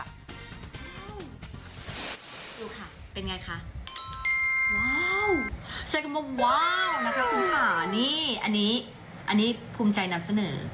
ดูค่ะเป็นไงคะว้าวใช้คำว่าว้าวนะคะคุณค่ะนี่อันนี้อันนี้ภูมิใจนำเสนอ